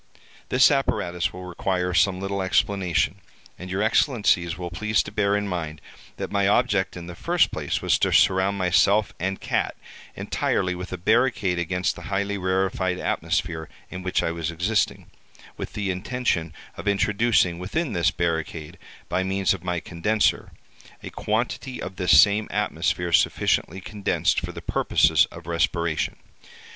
This apparatus will require some little explanation, and your Excellencies will please to bear in mind that my object, in the first place, was to surround myself and cat entirely with a barricade against the highly rarefied atmosphere in which I was existing, with the intention of introducing within this barricade, by means of my condenser, a quantity of this same atmosphere sufficiently condensed for the purposes of respiration.